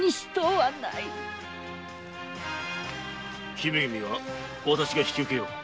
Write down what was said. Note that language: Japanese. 姫君は私が引き受けよう。